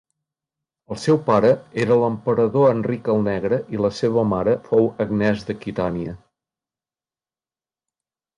El seu pare era l'Emperador Enric el Negre i la seva mare fou Agnès d'Aquitània.